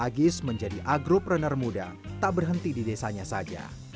agis menjadi agropreneur muda tak berhenti di desanya saja